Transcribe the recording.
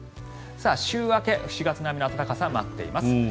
週明け、４月並みの暖かさが待っています。